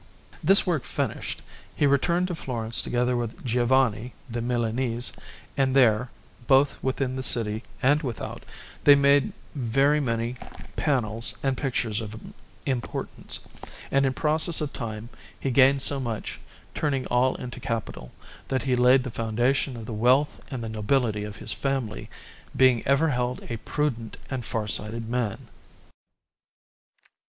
This work finished, he returned to Florence together with Giovanni, the Milanese, and there, both within the city and without, they made very many panels and pictures of importance; and in process of time he gained so much, turning all into capital, that he laid the foundation of the wealth and the nobility of his family, being ever held a prudent and far sighted man.